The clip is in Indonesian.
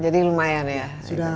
jadi lumayan ya